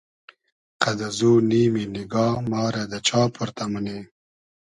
قئد ازو نیمی نیگا ما رۂ دۂ چا پۉرتۂ مونی